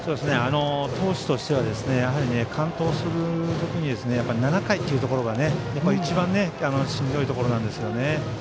投手としては完投する時に７回っていうところが一番しんどいところなんですよね。